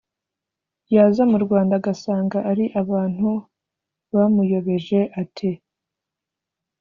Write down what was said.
yaza mu rwanda agasanga ari abantu bamuyobeje. ati: